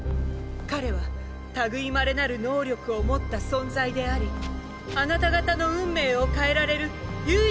彼は類いまれなる能力を持った存在でありあなた方の運命を変えられる唯一の存在なのです。